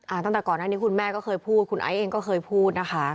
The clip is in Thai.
ตั้งแต่ก่อนหน้านี้คุณแม่ก็เคยพูดคุณไอซ์เองก็เคยพูดนะคะ